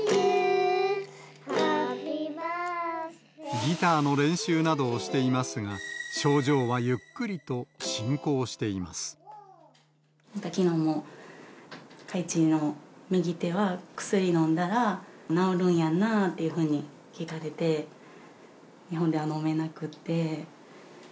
ギターの練習などをしていますが、きのうも、海智の右手は薬飲んだら治るんやんなっていうふうに聞かれて、日本では飲めなくて。